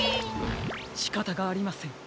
しかたがありません。